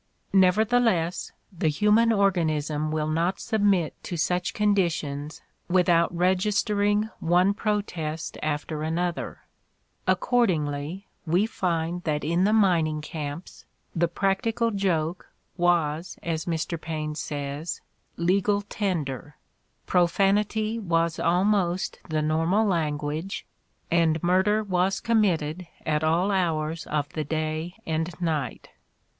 Nevertheless, the human organism wiU not submit to such conditions without registering one protest after another; accord ingly, we find that in the mining camps the practical joke was, as Mr. Paine says, "legal tender," profanity was almost the normal language, and murder was com mitted at aU hours of the day and night.